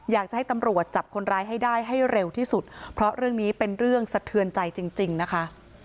อยากจะให้ตำรวจจับคนร้ายให้ได้ให้เร็วที่สุดเพราะเรื่องนี้เป็นเรื่องสะเทือนใจจริงนะคะ